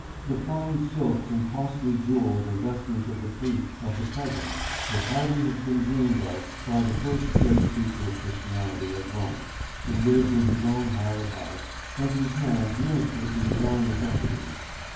The fine silks and costly jewels and vestments of the priests of the present could hardly have been dreamed of by the first great preacher of Christianity at Rome, who lived in his own hired house, and whose hands minis tered to his own necessities.